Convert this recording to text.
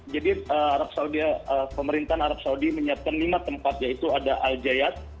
jadi pemerintahan arab saudi menyiapkan lima tempat yaitu ada al jayyat